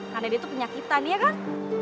karena dia tuh penyakitan iya kan